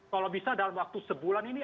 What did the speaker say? kalau bisa dalam waktu sebulan ini